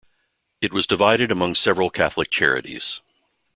It was divided among several Catholic charities.